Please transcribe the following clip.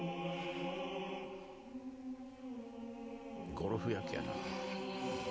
ゴルフ焼けやな。